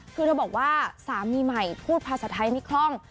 คือเธอบอกว่าสามีใหม่พูดภาษาไทยไม่คล่อง